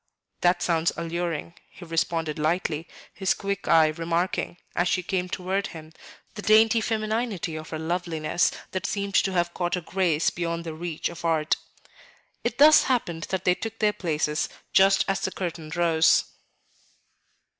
"That sounds alluring," he responded lightly, his quick eye remarking, as she came toward him, the dainty femininity of her loveliness, that seemed to have caught a grace beyond the reach of art. It thus happened that they took their places just as the curtain rose.